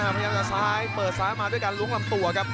พยายามจะเปิดซ้ายมาด้วยกันลุ้งลำตัวครับ